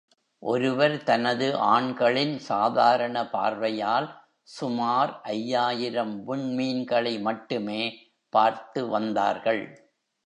ஒருவர் தனது ஆண்களின் சாதாரண பார்வையால் சுமார் ஐயாயிரம் விண்மீன்களை மட்டுமே பார்த்து வந்தார்கள்.